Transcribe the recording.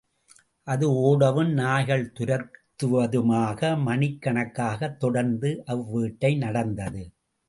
அது ஓடவும், நாய்கள் துரத்தவுமாக மனிக் கணக்காகத் தொடர்ந்து அவ்வேட்டை நடந்தது.